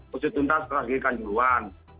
posisi tuntas terakhir kanjuruan